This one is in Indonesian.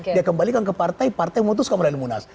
dia kembalikan ke partai partai memutuskan mulai dari munas